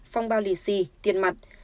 phong bao lì xì tiền mặt